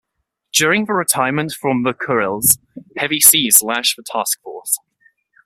During the retirement from the Kurils, heavy seas lashed the task force.